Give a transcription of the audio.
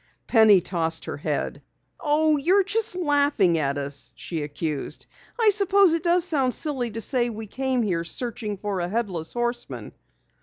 Penny tossed her head. "Oh, you're just laughing at us," she accused. "I suppose it does sound silly to say we came here searching for a Headless Horseman."